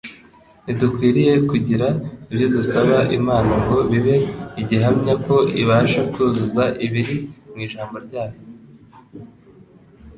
Ntidukwiriye kugira ibyo dusaba Imana ngo bibe igihamya ko ibasha kuzuza ibiri mw'ijambo ryayo